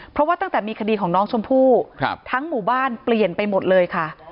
เพราะว่าตั้งแต่มีคดีของน้องชมพู่ทั้งหมู่บ้านเปลี่ยนไปหมดเลยค่ะ